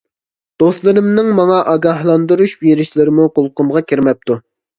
دوستلىرىمنىڭ ماڭا ئاگاھلاندۇرۇش بېرىشلىرىمۇ قۇلىقىمغا كىرمەپتۇ.